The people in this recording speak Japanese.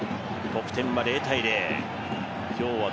得点は０−０。